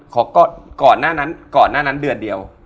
ก่อนหน้านั้นเดือดเดียว